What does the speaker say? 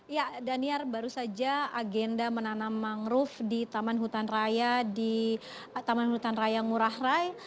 ya daniel baru saja agenda menanam mangrove di taman hutan raya ngurah rai